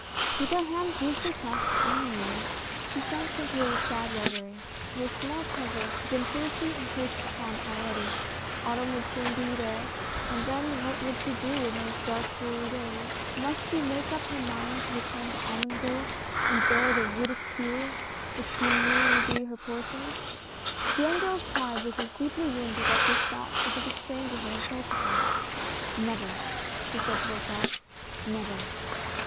With her hands loosely clasped on her knees, she sank into a sad reverie. Her small treasure had been seriously encroached upon already; autumn would soon be there, and then what would she do in those dark, dreary days. Must she make up her mind to return to Omonville, and bear the ridicule which she 78 C L O T 1 1. D E . knew would be her portion? The young girl's pride was as deeply wounded at this thought as if a stranger had insulted her. " Never !" she said to herself, " never